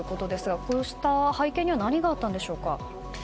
こうした背景には何があったんでしょうか。